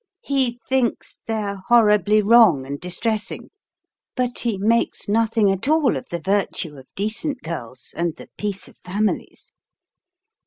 "He thinks they're horribly wrong and distressing; but he makes nothing at all of the virtue of decent girls and the peace of families."